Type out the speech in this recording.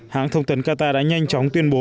hãng thông tấn qatar đã nhanh chóng tuyên bố